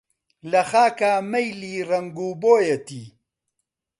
لە خاکا مەیلی ڕەنگ و بۆیەتی